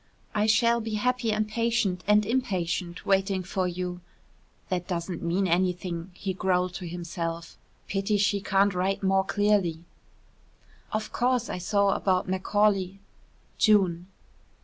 I shall be happy and patient and impatient waiting for you." ("That doesn't mean anything," he growled to himself. "Pity she can't write more clearly.") "Of course I saw about Macaulay. June."